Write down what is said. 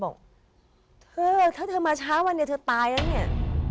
บอกเธอถ้าเธอมาช้าวันนี้เธอตายแล้วเนี่ย